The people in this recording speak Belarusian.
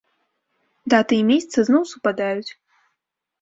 Дата і мейсца зноў супадаюць.